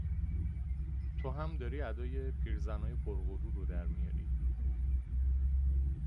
تو هم داری ادای پیرزنای غُرغُرو رو در میاری